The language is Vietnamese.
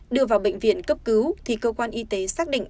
đưa vào bệnh viện cấp cứu thì cơ quan y tế xác định